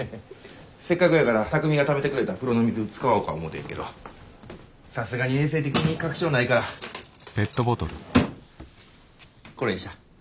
せっかくやから巧海がためてくれた風呂の水使おか思てんけどさすがに衛生的に確証ないからこれにした。